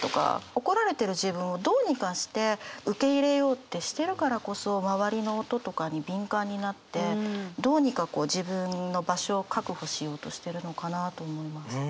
怒られてる自分をどうにかして受け入れようってしているからこそ周りの音とかに敏感になってどうにかこう自分の場所を確保しようとしてるのかなと思いました。